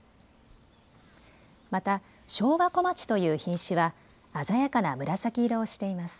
また昭和小町という品種は鮮やかな紫色をしています。